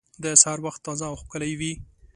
د سهار وخت تازه او ښکلی وي.